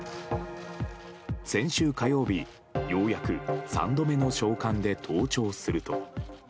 先週火曜日、ようやく３度目の召喚で登庁すると。